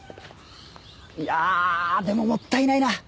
いやあでももったいないな！